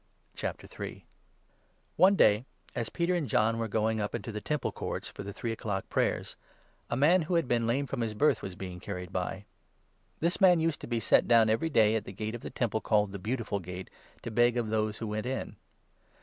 Cure One day, as Peter and John were going up into i or » lame the Temple Courts for the three o'clock Prayers, ••Mar. a man, who had been lame from his birth, was 2 being carried by. This man used to be set down every day at the gate of the Temple called 'the Beautiful Gate,' to beg of those who went in.